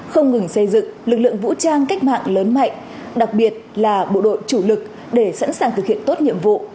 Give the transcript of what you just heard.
không ngừng xây dựng lực lượng vũ trang cách mạng lớn mạnh đặc biệt là bộ đội chủ lực để sẵn sàng thực hiện tốt nhiệm vụ